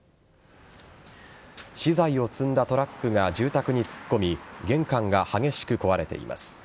資材を積んだトラックが住宅に突っ込み玄関が激しく壊れています。